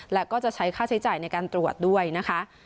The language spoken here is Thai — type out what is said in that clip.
และก็จะใช้ค่าใช้จ่ายในการตรวจด้วยนะคะ